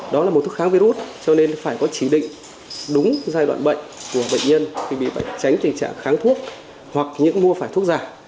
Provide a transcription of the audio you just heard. đó là một thuốc kháng virus cho nên phải có chỉ định đúng giai đoạn bệnh của bệnh nhân khi bị bệnh tránh tình trạng kháng thuốc hoặc những mua phải thuốc giả